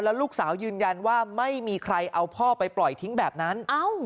ลูกสาวยืนยันว่าไม่มีใครเอาพ่อไปปล่อยทิ้งแบบนั้น